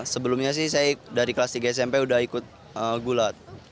sebelumnya sih saya dari kelas tiga smp udah ikut gulat